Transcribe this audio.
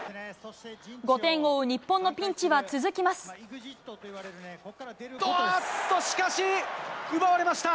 ５点を追う日本のピンチは続おーっと、しかし、奪われました。